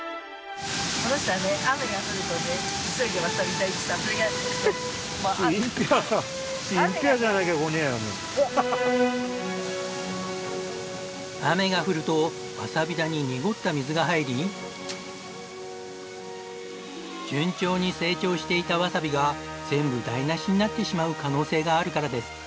雨が降るとわさび田に濁った水が入り順調に成長していたわさびが全部台無しになってしまう可能性があるからです。